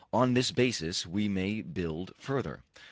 On this basis we may build further.